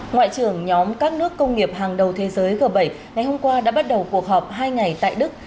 ngoại trưởng nhóm các nước công nghiệp hàng đầu thế giới g bảy ngày hôm qua đã bắt đầu cuộc họp hai ngày tại đức